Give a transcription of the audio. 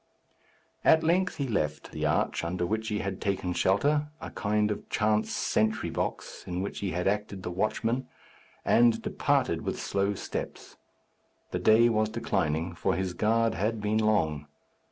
At length he left the arch under which he had taken shelter, a kind of chance sentry box, in which he had acted the watchman, and departed with slow steps. The day was declining, for his guard had been long.